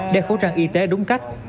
để khu trang y tế đúng cách